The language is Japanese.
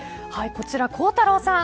こちら、孝太郎さん